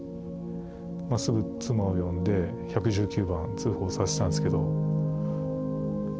すぐ妻を呼んで１１９番通報させたんですけど。